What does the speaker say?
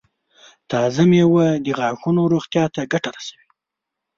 تازه مېوه د غاښونو روغتیا ته ګټه رسوي.